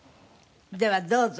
ではどうぞ。